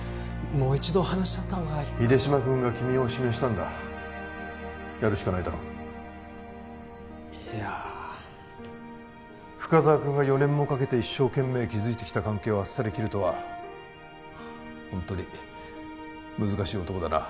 もう一度話し合ったほうが秀島君が君を指名したんだやるしかないだろいや深沢君が４年もかけて一生懸命築いてきた関係をあっさり切るとはホントに難しい男だな